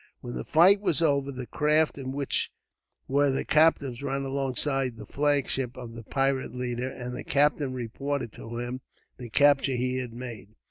When the fight was over, the craft in which were the captives ran alongside the flagship of the pirate leader, and the captain reported to him the capture he had made.